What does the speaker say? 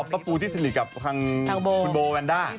อ๋อป๊าปูที่สนิทกับคุณโบวันด้า